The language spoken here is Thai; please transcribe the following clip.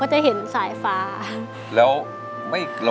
ทั้งในเรื่องของการทำงานเคยทำนานแล้วเกิดปัญหาน้อย